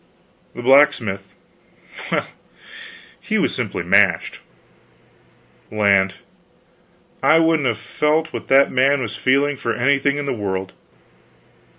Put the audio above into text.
The blacksmith well, he was simply mashed. Land! I wouldn't have felt what that man was feeling, for anything in the world.